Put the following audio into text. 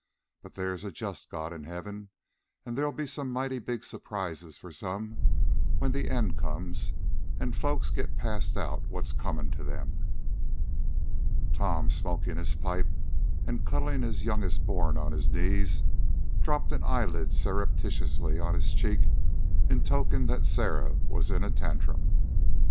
But there's a just God in heaven, and there'll be some mighty big surprises for some when the end comes and folks get passed out what's comin' to them." Tom, smoking his pipe and cuddling his youngest born on his knees, dropped an eyelid surreptitiously on his cheek in token that Sarah was in a tantrum.